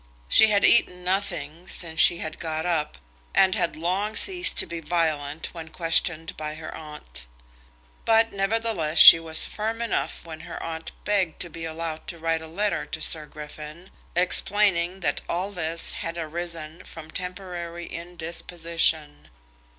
She had eaten nothing since she had got up, and had long ceased to be violent when questioned by her aunt. But, nevertheless, she was firm enough when her aunt begged to be allowed to write a letter to Sir Griffin, explaining that all this had arisen from temporary indisposition.